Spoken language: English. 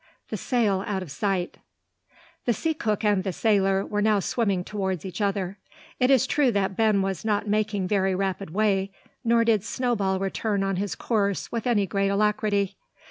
THE SAIL OUT OF SIGHT. The sea cook and the sailor were now swimming towards each other. It is true that Ben was not making very rapid way, nor did Snowball return on his course with any great alacrity.